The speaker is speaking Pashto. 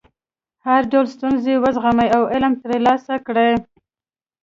هر ډول ستونزې وزغمئ او علم ترلاسه کړئ.